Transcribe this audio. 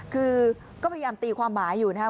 คือก็พยายามตีความหมายอยู่นะครับ